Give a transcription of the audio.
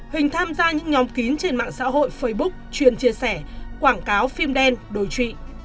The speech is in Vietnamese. huỳnh tham gia những nhóm kín trên mạng xã hội facebook truyền chia sẻ quảng cáo phim đen đồi trụy